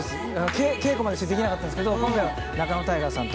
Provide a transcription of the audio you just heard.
稽古までしてできなかったんすけど仲野太賀さん